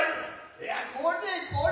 いやこれこれ。